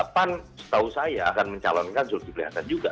pan setahu saya akan mencalonkan zulkifli hasan juga